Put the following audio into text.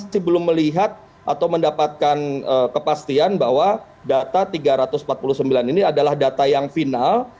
saya belum melihat atau mendapatkan kepastian bahwa data tiga ratus empat puluh sembilan ini adalah data yang final